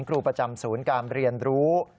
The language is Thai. ครูประจำศูนย์การเรียนรู้